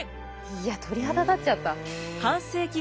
いや鳥肌立っちゃった。